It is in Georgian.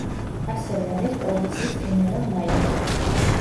ასევე არის პოლიციის გენერალ-მაიორი.